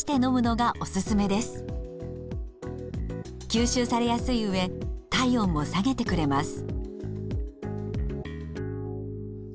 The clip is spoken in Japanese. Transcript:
吸収されやすいうえ体温も下げてくれます。